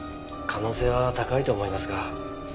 可能性は高いと思いますが。